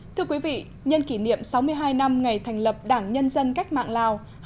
thưa quý vị nhân kỷ niệm sáu mươi hai năm ngày thành lập đảng nhân dân cách mạng lào